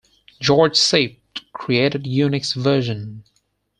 George Sipe created Unix version.